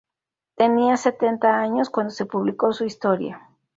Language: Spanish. Tenía setenta años cuando se publicó su "Historia".